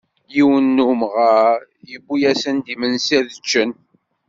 Yiwen n umγar yewwi-asen-d imensi ad ččen.